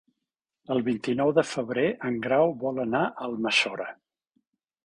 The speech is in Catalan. El vint-i-nou de febrer en Grau vol anar a Almassora.